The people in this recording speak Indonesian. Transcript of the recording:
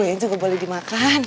kue juga boleh dimakan